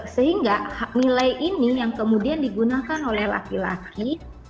sehingga hak nilai ini yang kemudian digunakan oleh laki laki